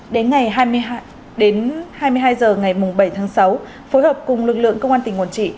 đến hai mươi hai h ngày bảy tháng sáu phối hợp cùng lực lượng công an tỉnh quảng trị